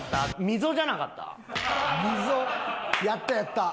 溝やったやった。